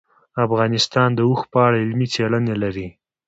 افغانستان د اوښ په اړه علمي څېړنې لري.